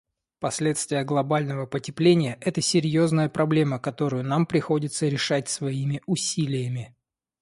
Последствия глобального потепления — это серьезная проблема, которую нам приходится решать своими усилиями.